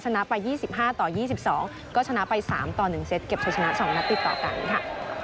ชนะไป๒๕ต่อ๒๒ก็ชนะไป๓ต่อ๑เซตเก็บใช้ชนะ๒นัดติดต่อกันค่ะ